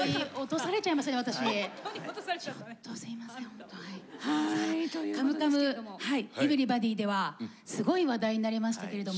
さあ「カムカムエヴリバディ」ではすごい話題になりましたけれども。